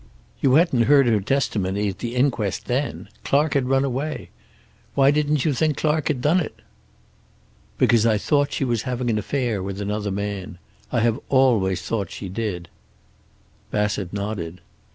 You hadn't heard her testimony at the inquest then. Clark had run away. Why didn't you think Clark had done it?" "Because I thought she was having an affair with another man. I have always thought she did it." Bassett nodded.